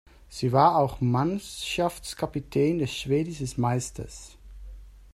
Sie war auch Mannschaftskapitän des schwedischen Meisters.